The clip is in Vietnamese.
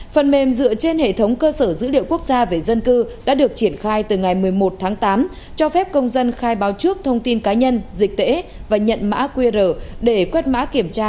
phần mềm dựa trên hệ thống cơ sở dữ liệu quốc gia về dân cư đã được triển khai từ ngày một mươi một tháng tám cho phép công dân khai báo trước thông tin cá nhân dịch tễ và nhận mã qr để quét mã kiểm tra